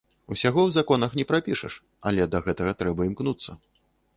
Усяго ў законах не прапішаш, але да гэтага трэба імкнуцца.